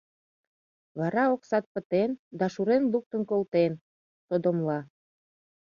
Вара оксат пытен да шурен луктын колтен, — содомла.